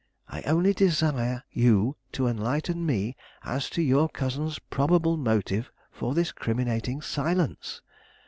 I only desire you to enlighten me as to your cousin's probable motive for this criminating silence.